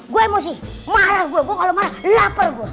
gue emosi marah gua gue kalo marah lapel gua